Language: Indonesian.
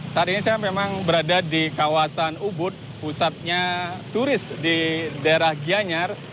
saat ini saya memang berada di kawasan ubud pusatnya turis di daerah gianyar